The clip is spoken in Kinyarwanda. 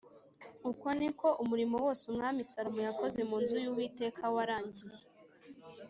Uko ni ko umurimo wose Umwami Salomo yakoze mu nzu y’Uwiteka warangiye